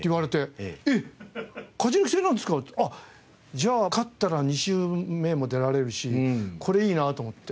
じゃあ勝ったら２週目も出られるしこれいいなと思って。